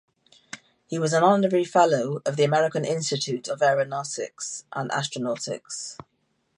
He was an Honorary Fellow of the American Institute of Aeronautics and Astronautics.